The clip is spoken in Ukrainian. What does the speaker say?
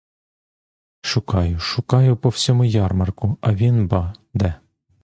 Шукаю, шукаю по всьому ярмарку, а він ба' де.